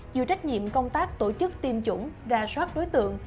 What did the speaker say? chịu trách nhiệm công tác tổ chức tiêm chủng ra soát đối tượng